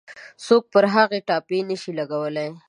څوک پر هغوی ټاپې نه شي لګولای.